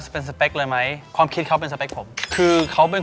เป็นตัวของตัวเอง